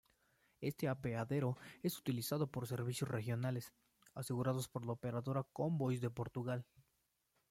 Este apeadero es utilizado por servicios Regionales, asegurados por la operadora Comboios de Portugal.